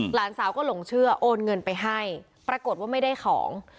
หลานสาวก็หลงเชื่อโอนเงินไปให้ปรากฏว่าไม่ได้ของ